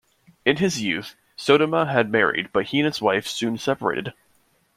In his youth, Sodoma had married, but he and his wife soon separated.